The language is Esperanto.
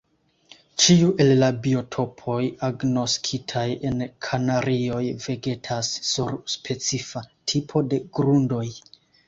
Ĉiu el la biotopoj agnoskitaj en Kanarioj vegetas sur specifa tipo de grundoj.